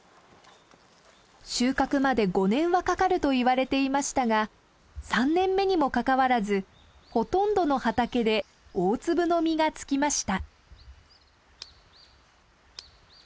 収穫まで５年はかかるといわれていましたが３年目にもかかわらずほとんどの畑で大粒の実が付きました。